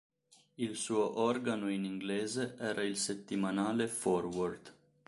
Il suo organo in inglese era il settimanale "Forward".